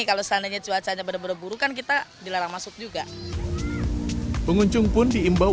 kalau seandainya cuacanya benar benar buruk kan kita dilarang masuk juga pengunjung pun diimbau